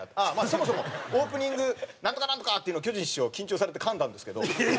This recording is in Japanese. そもそもオープニングなんとかなんとかっていうの巨人師匠緊張されて噛んだんですけど。